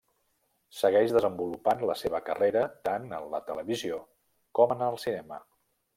Segueix desenvolupant la seva carrera tant en la televisió com en el cinema.